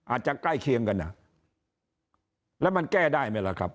ใกล้เคียงกันอ่ะแล้วมันแก้ได้ไหมล่ะครับ